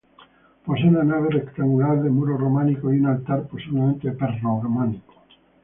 Posee una nave rectangular, de muros románicos y un altar posiblemente prerrománico.